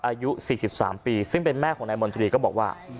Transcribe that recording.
อายุ๔๓ปีซึ่งเป็นแม่ของนายมนตรีก็บอกว่า